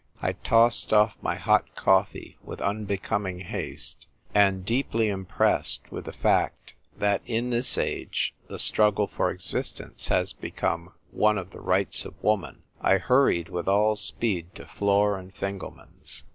I tossed off my hot coffee with unbecoming haste, and, deeply impressed with the fact that in this age the struggle for existence has become one of the rights of woman, I hurried with all speed to Flor and Fingelman's.